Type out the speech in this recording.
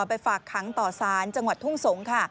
ไปฝากขังต่อสารจังหวัดทุ่งสงศ์ค่ะ